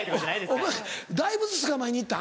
お前大仏捕まえに行ったん？